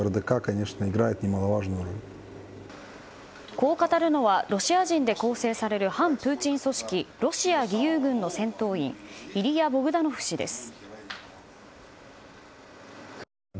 こう語るのはロシア人で構成される反プーチン組織ロシア義勇軍の戦闘員イリヤ・ボグダノフ氏です。